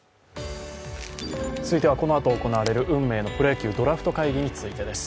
続いては、このあと行われる運命の「プロ野球ドラフト会議」についてです。